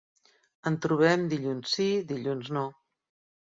En trobem dilluns sí, dilluns no.